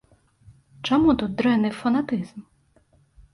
Чаму тут дрэнны фанатызм?